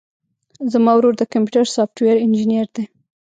زما ورور د کمپيوټر سافټوېر انجينر دی.